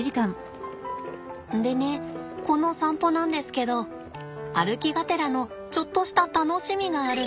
でねこの散歩なんですけど歩きがてらのちょっとした楽しみがあるんです。